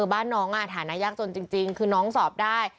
บ้านน้องฐานะยากจนจริงคือน้องสอบได้